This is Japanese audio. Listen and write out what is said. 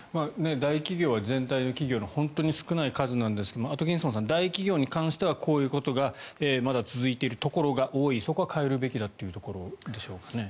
大企業は全体の企業の本当に少ない数ですがアトキンソンさん大企業に関してはこういうことがまだ続いているところが多いそこは変えるべきというところでしょうかね。